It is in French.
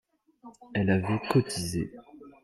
Elle avait cotisé